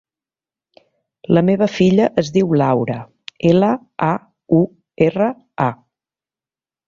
La meva filla es diu Laura: ela, a, u, erra, a.